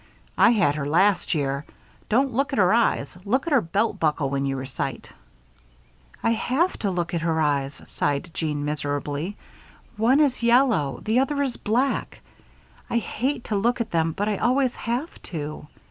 "I had her last year. Don't look at her eyes look at her belt buckle when you recite." "I have to look at her eyes," sighed Jeanne, miserably. "One is yellow, the other is black. I hate to look at them, but I always have to."